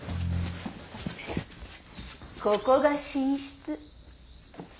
ここが寝室。